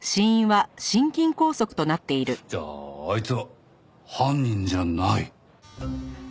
じゃああいつは犯人じゃない。